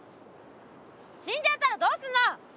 死んじゃったらどうすんの！